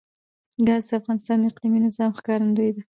ګاز د افغانستان د اقلیمي نظام ښکارندوی ده.